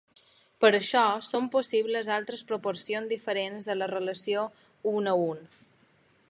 Per això són possibles altres proporcions diferents de la relació un a un.